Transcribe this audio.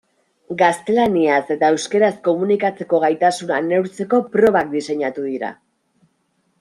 Gaztelaniaz eta euskaraz komunikatzeko gaitasuna neurtzeko probak diseinatu dira.